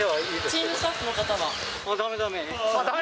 チームスタッフの方は？だめだめ。